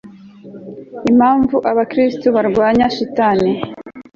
impamvu abakristo barwanywa shitani